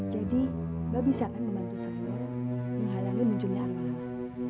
jadi mbah bisa akan membantu saya menghalangi munculnya arwah lala